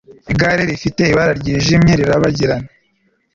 Igare rifite ibara ryijimye rirabagirana